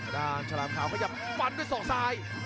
ฉลามขาวขยับฟันด้วยศอกซ้าย